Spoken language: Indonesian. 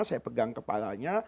saya pegang kepalanya